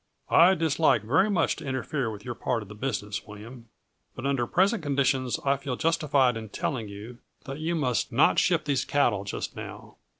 I dislike very much to interfere with your part of the business, William, but under present conditions I feel justified in telling you that you must not ship these cattle just now.